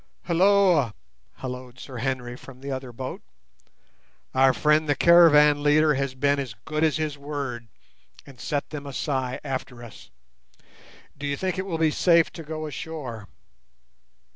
"Hulloa!" holloaed Sir Henry from the other boat; "our friend the caravan leader has been as good as his word, and set the Masai after us. Do you think it will be safe to go ashore?"